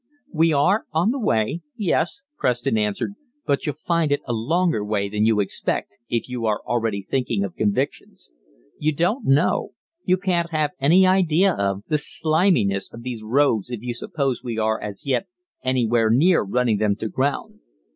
"We are 'on the way' yes," Preston answered, "but you'll find it a longer 'way' than you expect, if you are already thinking of convictions. You don't know you can't have any idea of the slimness of these rogues if you suppose we are as yet anywhere near running them to ground.